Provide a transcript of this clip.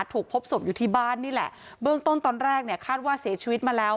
ถูกพบศพอยู่ที่บ้านนี่แหละเบื้องต้นตอนแรกเนี่ยคาดว่าเสียชีวิตมาแล้ว